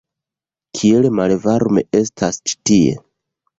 Kiel malvarme estas ĉi tie!